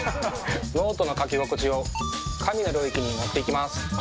ノートの書き心地を神の領域に持っていきます。